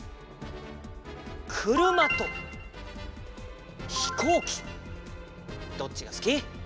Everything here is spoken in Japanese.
くるまとひこうきどっちがすき？